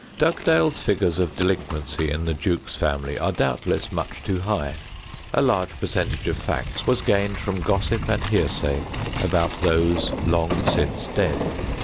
Dugdale's figures of delinquency in the Jukes family are doubtless much too high. A large percentage of facts was gained from gossip and hearsay about those long since dead.